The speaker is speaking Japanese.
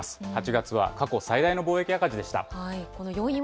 ８月は過去最大の貿易赤字でした。